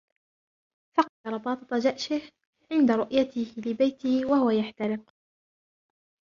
فقد رباطة جأشه عند رؤيته لبيته و هو يحترق.